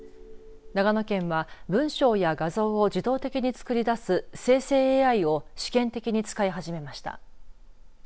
長野県は文章や画像を自動的に作り出す生成ＡＩを試験的に使い始めました。